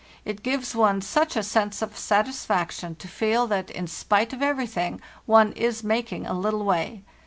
It gives one such a sense of satisfaction to feel that, in spite of every thing, one is making a little way.